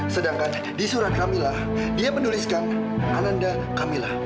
sedangkan di surat kamillah dia menuliskan ananda kamilah